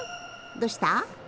どうした？